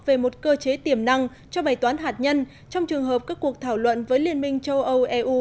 về một cơ chế tiềm năng cho bày toán hạt nhân trong trường hợp các cuộc thảo luận với liên minh châu âu eu